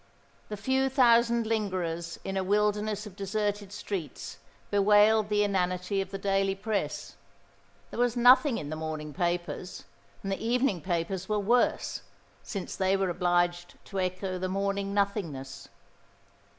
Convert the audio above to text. The few thousand lingerers in a wilderness of deserted streets bewailed the inanity of the daily Press. There was nothing in the morning papers; and the evening papers were worse, since they were obliged to echo the morning nothingness.